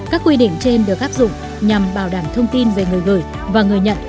các quy định trên được áp dụng nhằm bảo đảm thông tin về người gửi và người nhận